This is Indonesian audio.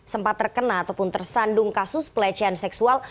sempat terkena ataupun tersandung kasus pelecehan seksual